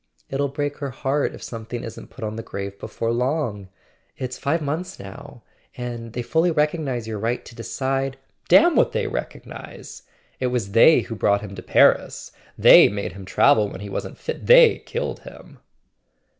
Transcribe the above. "It'll break her heart if something isn't put on the grave before long. It's five months now—and they fully recognize your right to decide "" Damn what they recognize! It was they who brought him to Paris; they made him travel when he wasn't fit; they killed him."